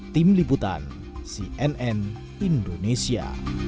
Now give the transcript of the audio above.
tim liputan cnn indonesia